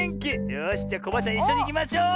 よしじゃあコバアちゃんいっしょにいきましょう！